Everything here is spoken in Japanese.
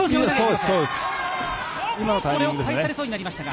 これを返されそうになりましたが。